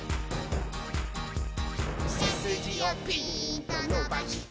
「せすじをピーントのばして」